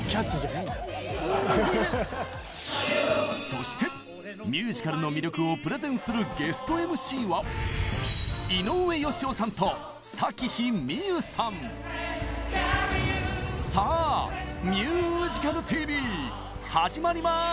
そしてミュージカルの魅力をプレゼンするゲストＭＣはさあ「ミュージカルＴＶ」始まります！